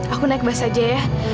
aku naik bus aja ya